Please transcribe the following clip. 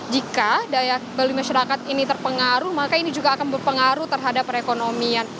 jika daya beli masyarakat ini terpengaruh maka ini juga akan berpengaruh terhadap perekonomian